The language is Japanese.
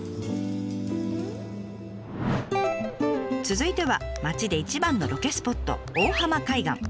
続いては町で一番のロケスポット大浜海岸。